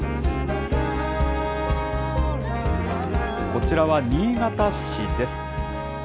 こちらは新潟市です。